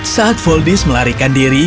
saat voldis melarikan diri